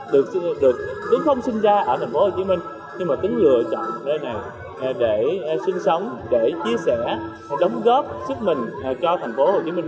được tính không sinh ra ở thành phố hồ chí minh nhưng mà tính lựa chọn nơi này để sinh sống để chia sẻ đồng góp sức mình cho thành phố hồ chí minh